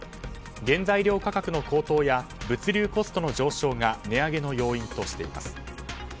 原材料価格の高騰や物流コストの上昇が値上げの要因としています。